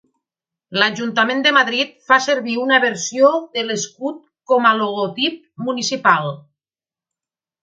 L'Ajuntament de Madrid fa servir una versió de l'escut com a logotip municipal.